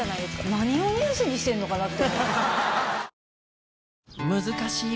何をニュースにしてるのかなと。